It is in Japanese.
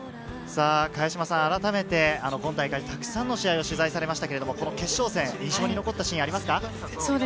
あらためて今大会、たくさんの試合を取材されましたが、決勝戦、印象に残ったシーンありますか？